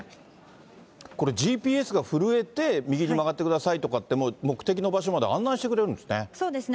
これ、ＧＰＳが震えて、右に曲がってくださいとかって、目的の場所まで案内してくれるですね。